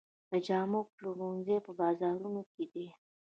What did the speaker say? د جامو پلورنځي په بازارونو کې دي